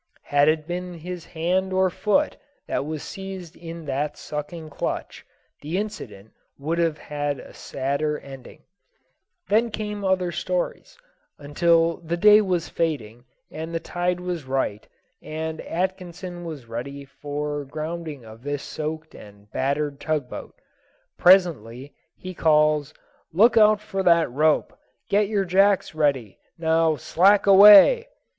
Had it been his hand or foot that was seized in that sucking clutch, the incident would have had a sadder ending. [Illustration: "I STAYED DOWN UNTIL THAT CHAIN WAS UNDER THE SHAFT."] Then came other stories, until the day was fading and the tide was right, and Atkinson was ready for the grounding of this soaked and battered tug boat. Presently he calls "Look out for that rope. Get yer jacks ready. Now slack away!"